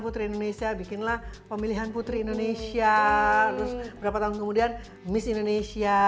putri indonesia bikinlah pemilihan putri indonesia terus berapa tahun kemudian miss indonesia